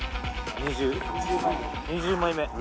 ２０枚目。